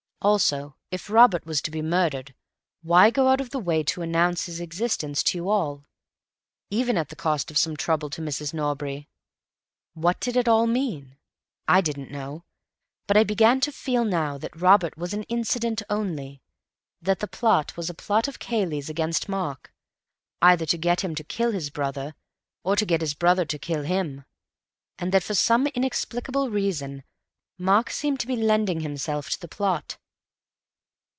Also, if Robert was to be murdered, why go out of the way to announce his existence to you all—even, at the cost of some trouble, to Mrs. Norbury? What did it all mean? I didn't know. But I began to feel now that Robert was an incident only; that the plot was a plot of Cayley's against Mark—either to get him to kill his brother, or to get his brother to kill him—and that for some inexplicable reason Mark seemed to be lending himself to the plot."